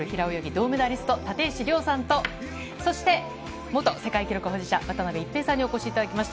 銅メダリスト、立石諒さんと、そして元世界記録保持者、渡辺一平さんにお越しいただきました。